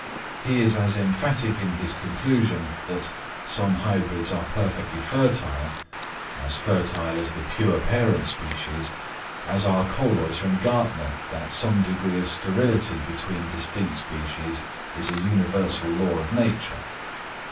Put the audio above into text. He is as emphatic in his conclusion that some hybrids are perfectly fertile—as fertile as the pure parent species—as are Kölreuter and Gärtner that some degree of sterility between distinct species is a universal law of nature.